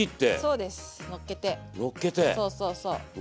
そうそうそう。